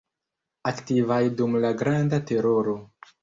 Aktivaj dum la Granda teroro.